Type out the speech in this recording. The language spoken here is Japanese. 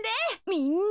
みんな。